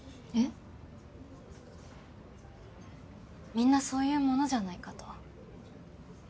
みんなそういうものじゃないかと。